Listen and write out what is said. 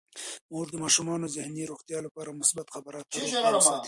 مور د ماشومانو د ذهني روغتیا لپاره د مثبت خبرو اترو پام ساتي.